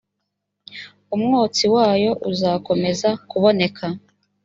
umwotsi wayo uzakomeza kuboneka